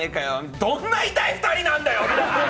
どんな痛い２人だよ！